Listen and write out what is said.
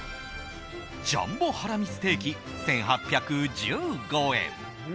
ジャンボハラミステーキ１８１５円。